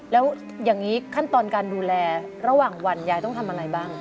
แล้วอย่างนี้ขั้นตอนการดูแลระหว่างวันยายต้องทำอะไรบ้าง